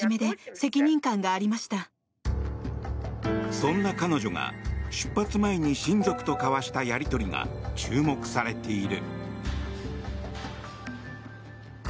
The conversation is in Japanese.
そんな彼女が出発前に親族と交わしたやり取りが注目されている。